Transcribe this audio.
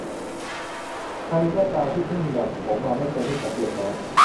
ใครก็ตามที่เพิ่งดัดผมมาไม่ควรให้ผมเปียกน้ำ